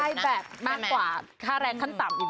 ใครได้แบบมากกว่าค่าแรงขั้นต่ำดีต่างกัน